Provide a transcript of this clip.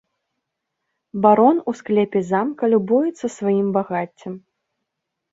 Барон у склепе замка любуецца сваім багаццем.